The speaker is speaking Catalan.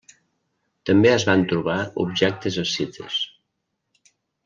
També es van trobar objectes escites.